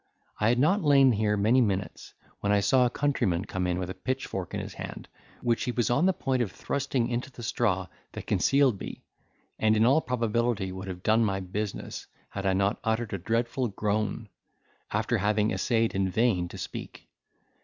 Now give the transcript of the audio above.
I had not lain here many minutes, when I saw a countryman come in with a pitchfork in his hand, which he was upon the point of thrusting into the straw that concealed me, and in all probability would have done my business, had I not uttered a dreadful groan, after having essayed in vain to speak.